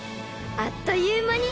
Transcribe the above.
［あっという間に］